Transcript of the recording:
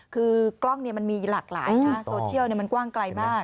คือกล้องมันมีหลากหลายนะโซเชียลมันกว้างไกลมาก